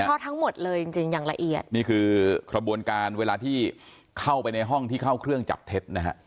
เพราะทั้งหมดเลยจริงจริงอย่างละเอียดนี่คือกระบวนการเวลาที่เข้าไปในห้องที่เข้าเครื่องจับเท็จนะฮะ